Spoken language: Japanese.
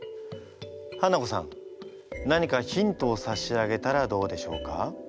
ハナコさん何かヒントをさしあげたらどうでしょうか？